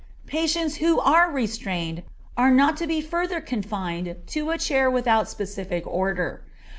Patients who are restrained are not to be further confined to a chair without specific order.